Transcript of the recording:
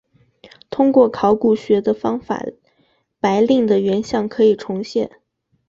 通过考古学的方法白令的原像可以重现。